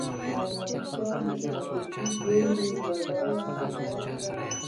آیا افغانستان د طبیعي زیرمو بډایه هیواد دی؟